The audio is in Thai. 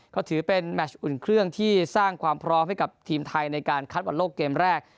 ก็ถือเป็นแมชอุ่นเครื่องที่สร้างความพร้อมให้กับทีมไทยในการคัดวันโลกเกมแรก